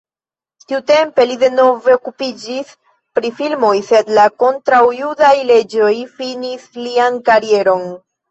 Tiutempe li denove okupiĝis pri filmoj, sed la kontraŭjudaj leĝoj finis lian karieron.